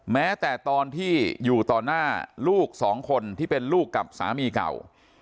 แม้แต่ตอนที่อยู่ต่อหน้าลูกสองคนที่เป็นลูกกับสามีเก่า